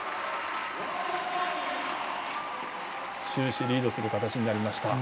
終始、リードする形になりました。